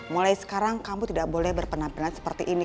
mulai sekarang kamu tidak boleh berpenampilan seperti ini